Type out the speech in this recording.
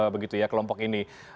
begitu ya kelompok ini